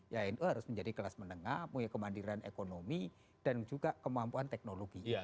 ya nu harus menjadi kelas menengah punya kemandiran ekonomi dan juga kemampuan teknologi